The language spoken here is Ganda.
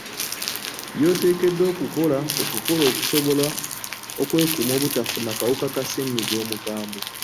By’oteekeddwa okukola okukola okusobola okwekuuma obutafuna kawuka ka ssennyiga omukambwe.